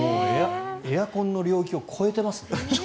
エアコンの領域を超えていますね。